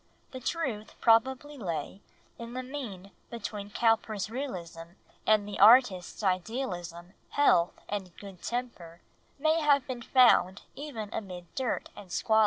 The truth probably lay in the mean between Cowper's realism and the artist's idealism, health and good temper may have been found even amid dirt and squalor.